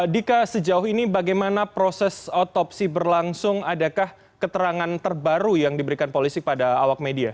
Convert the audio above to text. dika sejauh ini bagaimana proses otopsi berlangsung adakah keterangan terbaru yang diberikan polisi pada awak media